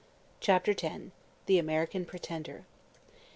CHAPTER X. THE "AMERICAN PRETENDER."